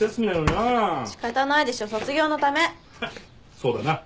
そうだな。